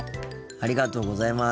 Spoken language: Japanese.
ありがとうございます。